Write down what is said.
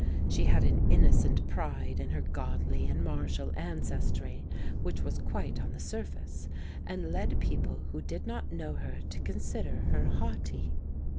She had an innocent pride in her godly and martial ancestry, which was quite on the surface, and led people who did not know her to consider her haughty.